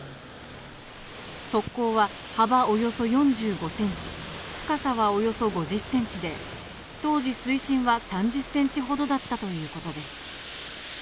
側溝は幅およそ４５ｃｍ、深さはおよそ５０ｃｍで、当時、水深は３０ｃｍほどだったということです。